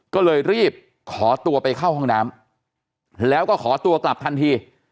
ก็เลยรีบขอตัวไปเข้าห้องน้ำแล้วก็ขอตัวกลับทันที